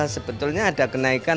sebetulnya ada kenaikan